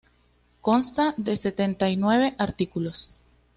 Consta de setenta y nueve artículos.